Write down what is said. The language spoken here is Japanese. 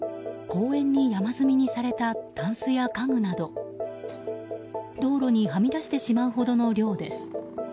公園に山積みにされたたんすや家具など道路にはみ出してしまうほどの量です。